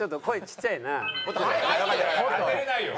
当てれないよ。